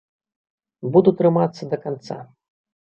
Буду трымацца да канца.